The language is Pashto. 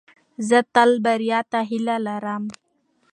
زه تل بریا ته هیله لرم.